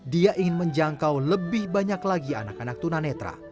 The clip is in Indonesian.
dia ingin menjangkau lebih banyak lagi anak anak tunanetra